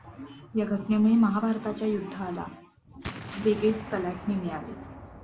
या घटनेमूळे महाभारताच्या युध्दाला वेगळी कलाटणी मिळाली.